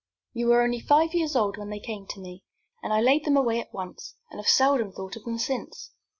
"You were only five years old when they came to me, and I laid them away at once, and have seldom thought of them since.